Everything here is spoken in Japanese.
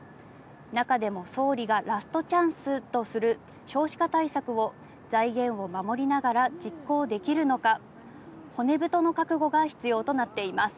中でも、総理がラストチャンスとする少子化対策を、財源を守りながら実行できるのか、骨太の覚悟が必要となっています。